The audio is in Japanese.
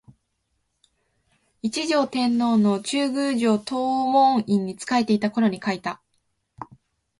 一条天皇の中宮上東門院（藤原道長の娘彰子）に仕えていたころに書いた